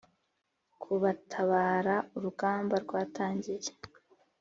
kubatabara Urugamba rwatangiye